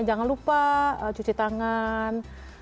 jangan lupa cuci tangan